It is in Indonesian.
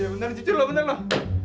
iya bener jujur loh bener loh